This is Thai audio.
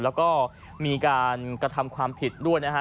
แล้วก็มีการกระทำความผิดด้วยนะฮะ